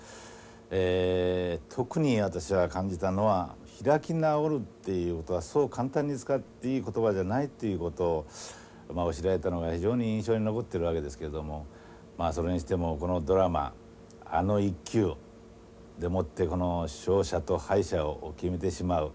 ええ特に私は感じたのは開き直るっていうことはそう簡単に使っていい言葉じゃないっていうことを知りえたのが非常に印象に残っているわけですけれどもまあそれにしてもこのドラマあの１球でもってこの勝者と敗者を決めてしまう。